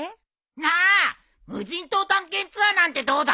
なあ無人島探検ツアーなんてどうだ？